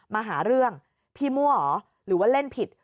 มาหาเรื่องพี่มั่วเหรอหรือว่าเล่นผิด